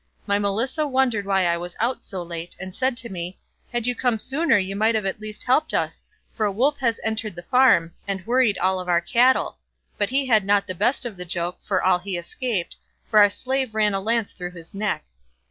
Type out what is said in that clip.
My Melissa wondered why I was out so late, and said to me: "Had you come sooner you might at least have helped us, for a wolf has entered the farm, and worried all our cattle; but he had not the best of the joke, for all he escaped, for our slave ran a lance through his neck."